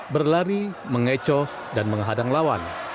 berlari mengecoh dan menghadang lawan